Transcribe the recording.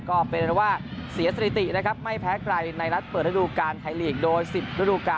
ก็เป็นว่าเสียสนิตินะครับไม่แพ้ไกลในรัฐเปิดฤดูการไทยลีก